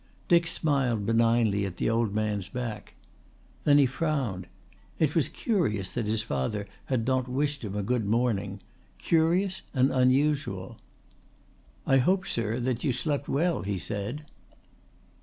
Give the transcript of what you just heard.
Dick smiled benignly at the old man's back. Then he frowned. It was curious that his father had not wished him a good morning, curious and unusual. "I hope, sir, that you slept well," he said.